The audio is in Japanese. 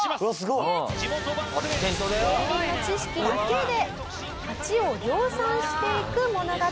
競輪の知識だけで勝ちを量産していく物語。